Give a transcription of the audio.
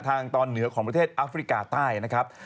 ทางตอนเหนือของประเทศอัฟริกาใต้นะครับ